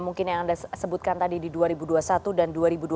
mungkin yang anda sebutkan tadi di dua ribu dua puluh satu dan dua ribu dua puluh